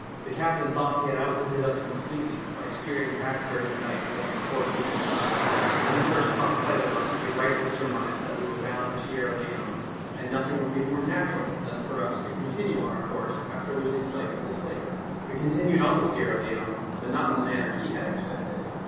The captain thought he bad outwitted us completely by steering back during the night along the course we had come; when he first caught sight of us he rightly sur mised that we were bound for Sierra Leone and nothing would be more natural than for us to continue on our course after losing sight of the slaver. "We continued on to Sierra Leone, but not in the manner he had expected.